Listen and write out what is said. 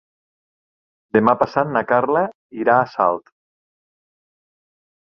Demà passat na Carla irà a Salt.